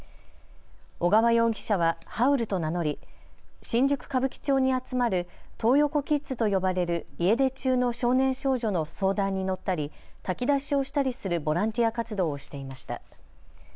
小川容疑者はハウルと名乗り、新宿歌舞伎町に集まるトー横キッズと呼ばれる家出中の少年少女の相談に乗ったり炊き出しをしたりするボランティア活動をしていました。